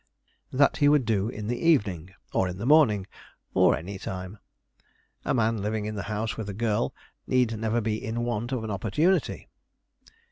That he would do in the evening, or in the morning, or any time a man living in the house with a girl need never be in want of an opportunity.